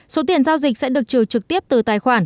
số tiền giao dịch sẽ được trừ trực tiếp từ tài khoản